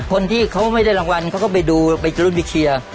คนที่เขาไม่ได้รางวัลเขาก็ไปดูไปจะรุ่นไปเชียร์